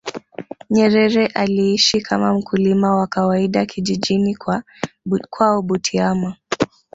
nyerere aliishi kama mkulima wa kawaida kijijini kwao butiama